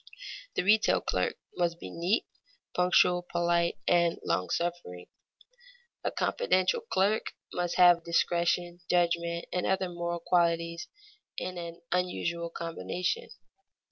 The retail clerk must be neat, punctual, polite, and long suffering. A confidential clerk must have discretion, judgment, and other moral qualities in an unusual combination.